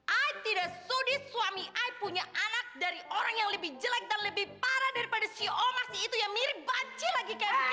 eh ya aku tidak sudi suami aku punya anak dari orang yang lebih jelek dan lebih parah daripada si omas itu yang mirip banci lagi kayak begini